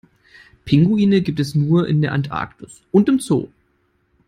Pinguine gibt es nur in der Antarktis und im Zoo.